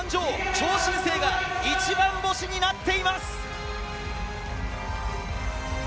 超新星が一番星になっています！